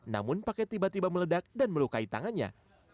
namun paket tiba tiba meledak dan melukai tangannya